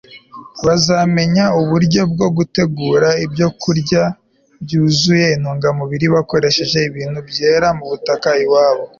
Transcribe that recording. bazamenya uburyo bwo gutegura ibyokurya byuzuye intungamubiri bakoresheje ibintu byera mu butaka iwabo